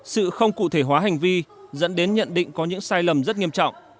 sự không cụ thể hóa hành vi dẫn đến nhận định có những sai lầm rất nghiêm trọng